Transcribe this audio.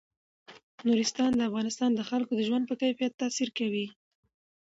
نورستان د افغانستان د خلکو د ژوند په کیفیت تاثیر لري.